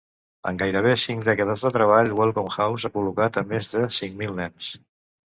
En gairebé cinc dècades de treball, Welcome House ha col·locat a més de cinc mil nens.